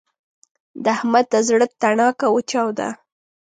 د احمد د زړه تڼاکه وچاوده.